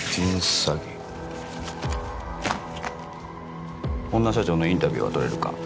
詐欺女社長のインタビューは取れるか？